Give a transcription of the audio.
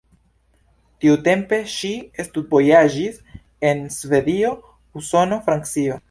Tiutempe ŝi studvojaĝis en Svedio, Usono, Francio.